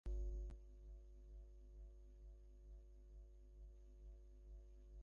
ঘটনাক্রমে তাহার ও জয়শ্রীর চারি চক্ষু একত্র হইবাতে উভয়েই উভয়ের মন হরণ করিল।